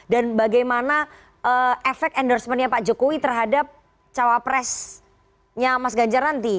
dan bagaimana efek endorsementnya pak jokowi terhadap cwp presiden mas ganjar nanti